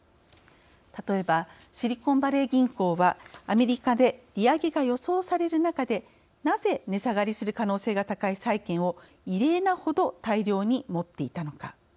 例えば、シリコンバレー銀行はアメリカで利上げが予想される中で、なぜ値下がりする可能性が高い債券を異例な程、大量に持っていたのか。